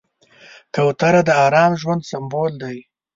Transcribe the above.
کوتره د ارام ژوند سمبول دی.